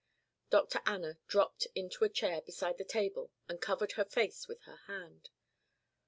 Dr. Anna dropped into a chair beside the table and covered her face with her hand.